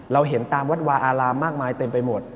เราเห็นตามวัดวาอารามมากมายเต็มไปหมด